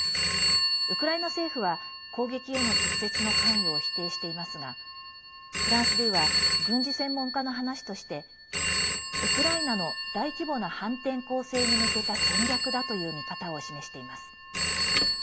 ウクライナ政府は攻撃への直接の関与を否定していますがフランス２は軍事専門家の話としてウクライナの大規模な反転攻勢に向けた戦略だという見方を示しています。